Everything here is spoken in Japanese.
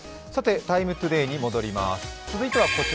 「ＴＩＭＥ，ＴＯＤＡＹ」に戻ります。